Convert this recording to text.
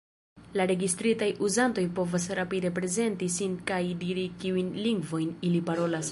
La registritaj uzantoj povas rapide prezenti sin kaj diri kiujn lingvojn ili parolas.